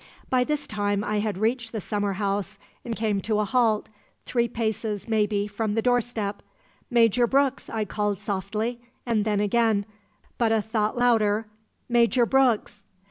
"By this time I had reached the summer house and come to a halt, three paces, maybe, from the doorstep. 'Major Brooks!' I called softly, and then again, but a thought louder, 'Major Brooks!'